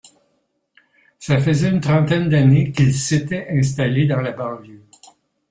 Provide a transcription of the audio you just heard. Ça faisait une trentaine d’années qu’il s’était installé dans la banlieue.